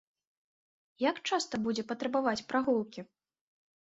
Як часта будзе патрабаваць прагулкі?